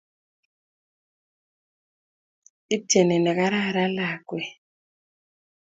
Ityeni negararan lakwet